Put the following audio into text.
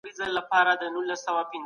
ډېر مصرف زیانمنونکی دی.